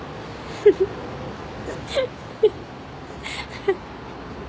フフフ。